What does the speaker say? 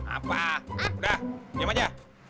apa udah diam aja